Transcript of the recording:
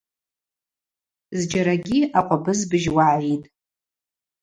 Зджьарагьи акъвабыз быжь уагӏитӏ.